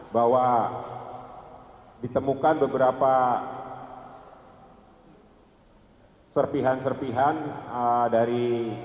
bahwa ditemukan beberapa serpihan serpihan dari